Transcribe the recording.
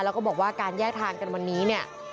แล้วก็บอกว่าการแยกทางกันวันนี้เนี่ย